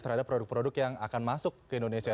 terhadap produk produk yang akan masuk ke indonesia